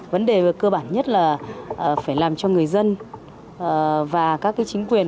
vấn đề cơ bản nhất là phải làm cho người dân và các chính quyền